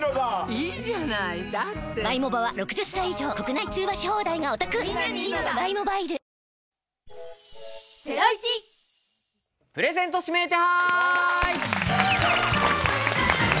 いいじゃないだってプレゼント指名手配！